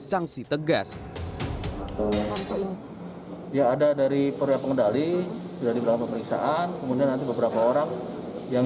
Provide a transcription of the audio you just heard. sanksi tegas ya ada dari perwira pengendali sudah diberi pemeriksaan kemudian beberapa orang yang